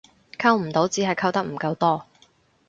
溝唔到只係溝得唔夠多